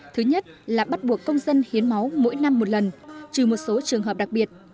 thứ nhất là bắt buộc công dân hiến máu mỗi năm một lần trừ một số trường hợp đặc biệt